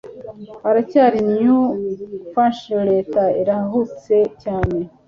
Aracyari New Hampshire; leta iruhutse cyane.